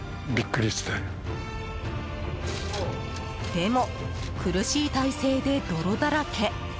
でも苦しい体勢で泥だらけ。